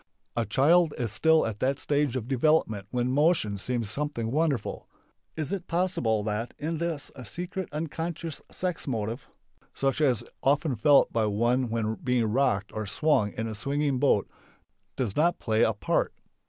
A child is still at that stage of development when motion seems something wonderful. Is it possible that in this a secret (unconscious) sex motive, such as is often felt by one when being rocked or swung in a swinging boat, does not play a part?